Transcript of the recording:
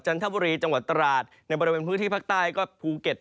ทบุรีจังหวัดตราดในบริเวณพื้นที่ภาคใต้ก็ภูเก็ต